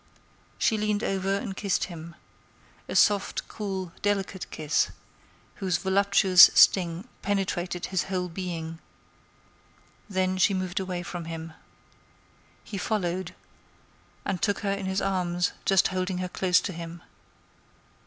She leaned over and kissed him—a soft, cool, delicate kiss, whose voluptuous sting penetrated his whole being—then she moved away from him. He followed, and took her in his arms, just holding her close to him.